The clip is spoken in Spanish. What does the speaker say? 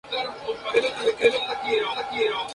Hijo del dueño de una tienda de zapatos.